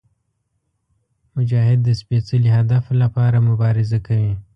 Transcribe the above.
مجاهد د سپېڅلي هدف لپاره مبارزه کوي.